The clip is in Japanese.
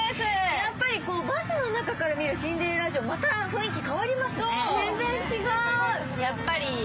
やっぱりバスの中から見るシンデレラ城また雰囲気、変わりますね。